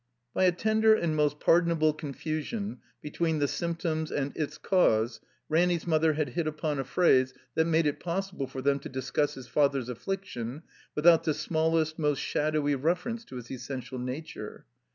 By a tender and most pardonable confusion be tween the symptoms and its cause Ranny's mother had hit upon a phrase that made it possible for them to discuss his father's affliction without the smallest, most shadowy reference to its essential nature.